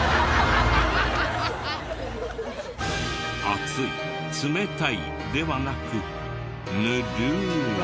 熱い冷たいではなくぬるい。